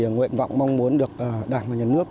nguyện vọng mong muốn được đảng và nhà nước